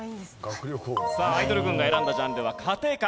アイドル軍が選んだジャンルは家庭科。